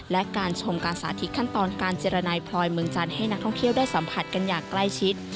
และการชมการสาธิตขั้นตอนการเจรนายพลอยเมืองจันทร์ให้นักท่องเที่ยวได้สัมผัสกันอย่างใกล้ชิด